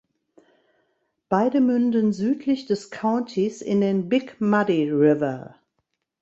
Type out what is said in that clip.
Beide münden südlich des Countys in den Big Muddy River.